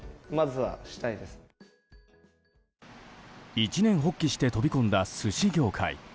一念発起して飛び込んだ寿司業界。